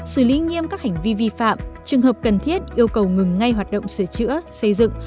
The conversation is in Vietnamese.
xử lý nghiêm các hành vi vi phạm trường hợp cần thiết yêu cầu ngừng ngay hoạt động sửa chữa xây dựng